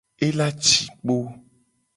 Ela ci kpo.